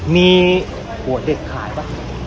มีหัวเด็กขายป่ะ